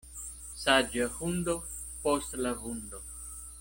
Saĝa hundo post la vundo.